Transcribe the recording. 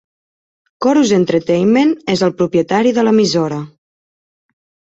Corus Entertainment és el propietari de l'emissora.